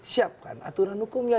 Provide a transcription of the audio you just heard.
siapkan aturan hukumnya